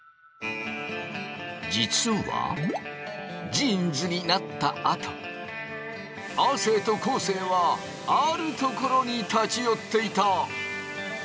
実はジーンズになったあと亜生と昴生はある所に立ち寄っていた！